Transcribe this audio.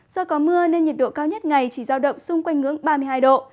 do có mưa nên nhiệt độ cao nhất ngày chỉ giao động xung quanh ngưỡng ba mươi hai độ